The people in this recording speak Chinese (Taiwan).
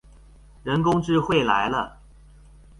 人工智慧來了